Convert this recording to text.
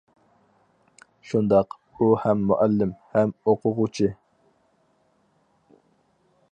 شۇنداق، ئۇ ھەم مۇئەللىم، ھەم ئوقۇغۇچى.